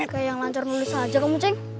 kayak yang lancar nulis aja kamu ceng